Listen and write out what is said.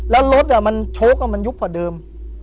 แล้วรถมันโชคมันยุบกว่าเดิม